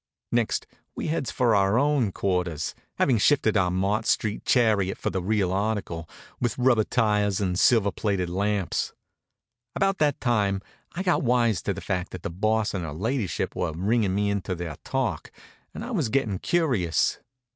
Next we heads for our own quarters, having shifted our Mott street chariot for the real article, with rubber tires and silver plated lamps. About that time I got wise to the fact that the Boss and her Ladyship were ringin' me into their talk, and I was gettin' curious.